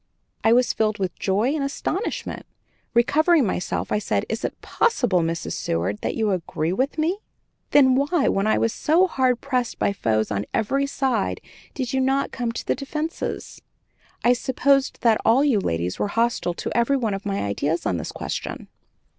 I was filled with joy and astonishment. Recovering myself, I said, "Is it possible, Mrs. Seward, that you agree with me? Then why, when I was so hard pressed by foes on every side, did you not come to the defense? I supposed that all you ladies were hostile to every one of my ideas on this question."